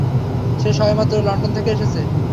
সে সবেমাত্র লন্ডন থেকে এসেছে।